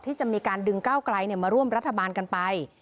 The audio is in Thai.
ที่จะมีการดึงก้าวไกลมาร่วมรัฐบาลกันไป